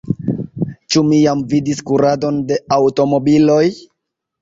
Ĉu vi jam vidis kuradon de aŭtomobiloj?